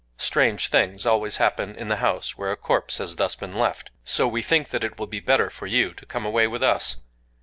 Strange things always happen in the house where a corpse has thus been left: so we think that it will be better for you to come away with us.